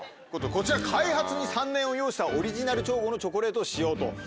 こちら開発に３年を要したオリジナル調合のチョコレートを使用。